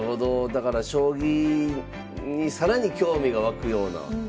だから将棋に更に興味が湧くような。